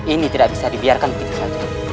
ini tidak bisa dibiarkan begitu saja